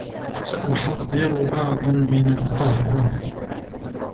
سأحضّر بعضاً من القهوة